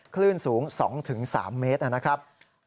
คลื่นสูง๒๓เมตรนะครับ